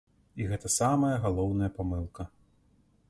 І гэта самая галоўная памылка.